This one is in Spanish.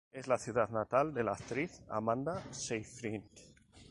Es la ciudad natal de la actriz Amanda Seyfried.